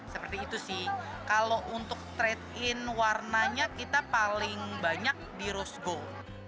seperti itu sih kalau untuk trade in warnanya kita paling banyak di rose gold